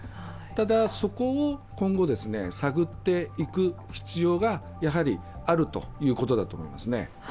ただ、そこを今後、探っていく必要がやはりあるということだと思うんですね。